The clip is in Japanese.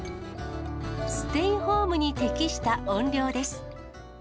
ステイホームに適した音量です。